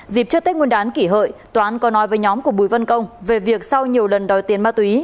dịp trước tết nguyên đán kỷ hợi toán có nói với nhóm của bùi văn công về việc sau nhiều lần đòi tiền ma túy